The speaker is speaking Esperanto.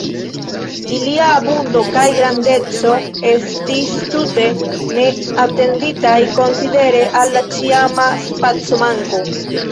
Ilia abundo kaj grandeco estis tute neatenditaj, konsidere al la ĉiama spacomanko.